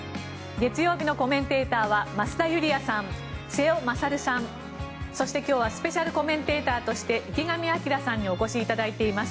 月曜日のコメンテーターは増田ユリヤさん、瀬尾傑さんそして、今日はスペシャルコメンテーターとして池上彰さんにお越しいただいています。